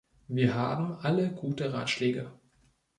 Wir haben alle gute Ratschläge.